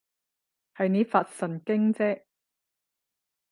係你發神經啫